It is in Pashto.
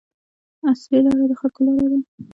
اصلي لاره د خلکو لاره ده.